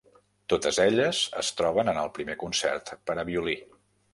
Totes elles es troben en el primer concert per a violí.